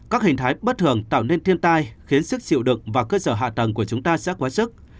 các hình thái bất thường tạo nên thiên tai khiến sức đựng và cơ sở hạ tầng của chúng ta sẽ quá sức